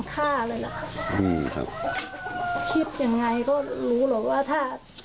คิดอย่างไรก็รู้หรอกว่า